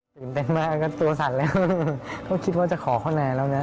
สิบแปดมักก็ตัวสั่นเลยเขาคิดว่าจะขอข้อหน่ายแล้วนะ